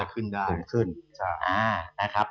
วิ่งหน้าจะขึ้นได้